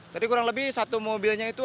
kurang lebih satu mobilnya itu